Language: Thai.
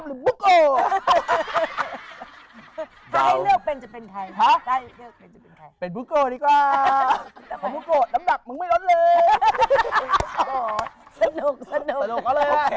แต่ของบุโก้น้ำหนักมึงไม่ร้อนเลย